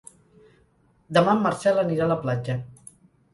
Demà en Marcel anirà a la platja.